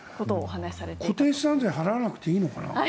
固定資産税は払わなくていいのかな。